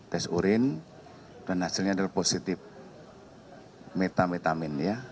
tes urin dan hasilnya adalah positif metamitamin ya